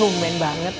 oh men banget